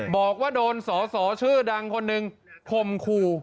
บอกว่าโดนสอสอชื่อดังคนหนึ่งคมคู่